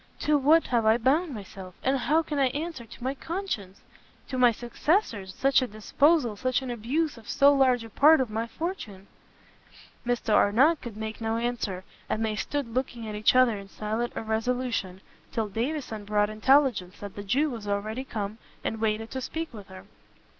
to what have I bound myself! and how can I answer to my conscience, to my successors, such a disposal, such an abuse of so large a part of my fortune!" Mr Arnott could make no answer; and they stood looking at each other in silent irresolution, till Davison brought intelligence that the Jew was already come, and waited to speak with her.